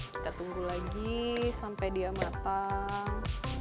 kita tunggu lagi sampai dia matang